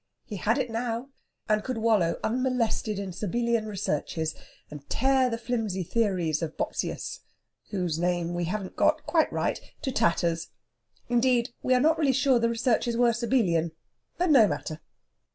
He had it now, and could wallow unmolested in Sabellian researches, and tear the flimsy theories of Bopsius whose name we haven't got quite right to tatters. Indeed, we are not really sure the researches were Sabellian. But no matter!